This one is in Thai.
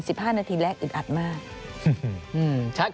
สิบห้านาทีแรกอึดอัดมาก